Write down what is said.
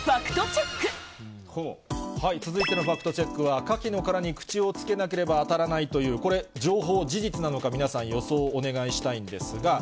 続いてのファクトチェックは、カキの殻に口をつけなければあたらないという、これ、情報、事実なのか、皆さん、予想をお願いしたいんですが。